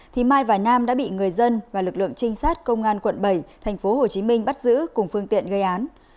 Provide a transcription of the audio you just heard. thì mai và nam đã bị người dân và lực lượng trinh sát công an quận bảy tp hcm bắt giữ cùng phương tiện gây án